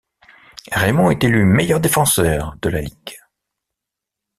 Raymond est élu meilleur défenseur de la ligue.